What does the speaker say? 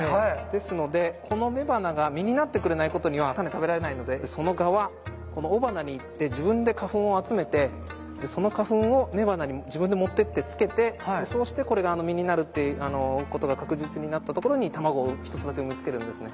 ですのでこの雌花が実になってくれないことには種食べられないのでその蛾はこの雄花に行って自分で花粉を集めてその花粉を雌花に自分で持ってって付けてそうしてこれが実になるっていうことが確実になったところに卵を一つだけ産みつけるんですね。